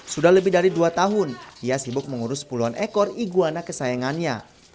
sudah lebih dari dua tahun ia sibuk mengurus puluhan ekor iguana kesayangannya